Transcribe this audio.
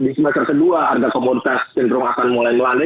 di semester kedua harga komoditas cenderung akan mulai melandai